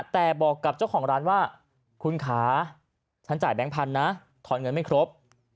แต่บอกกับเจ้าของร้านว่าคุณขาฉันจ่ายแบงค์พันธุนะทอนเงินไม่ครบ